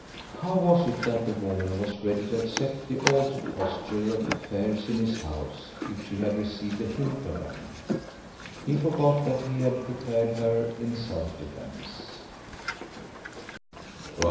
How was it that the woman was ready to accept the altered posture of affairs in his house if she had received a hint of them? He forgot that he had prepared her in self defence.